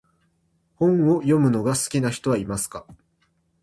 本を読むのが好きな人はいますか？